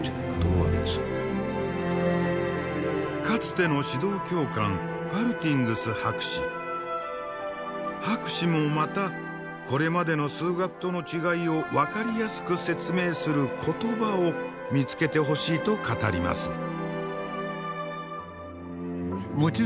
かつての指導教官博士もまたこれまでの数学との違いを分かりやすく説明する言葉を見つけてほしいと語ります。